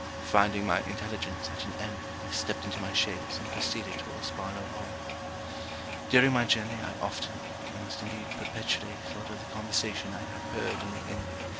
Finding my intelligence at an end, I stepped into my chaise and proceeded towards Barlowe Hall. During my journey, I often, almost indeed perpetually, thought of the conversation I had heard in the inn.